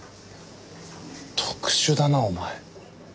特殊だなお前。